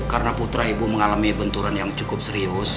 karena putra ibu mengalami benturan yang cukup serius